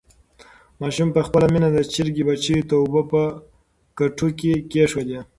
ماشوم په خپله مینه د چرګې بچیو ته اوبه په کټو کې کېښودې.